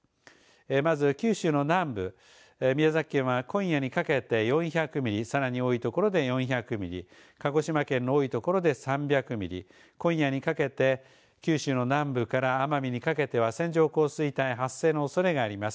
まず九州の南部、宮崎県は今夜にかけて４００ミリ、さらに多いところで４００ミリ、鹿児島県の多いところで３００ミリ、今夜にかけて九州の南部から奄美にかけては線状降水帯発生のおそれがあります。